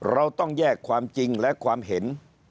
เราต้องแยกความจริงและความเห็น